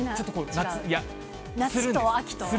夏と秋と。